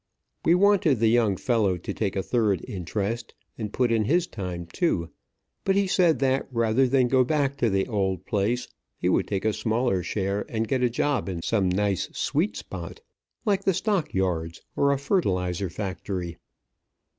We wanted the young fellow to take a third interest, and put in his time, too; but he said that rather than go back to the old place, he would take a smaller share, and get a job in some nice sweet spot, like the stock yards or a fertilizer factory.